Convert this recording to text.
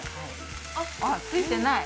あっついてない。